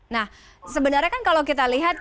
nah sebenarnya kan kalau kita lihat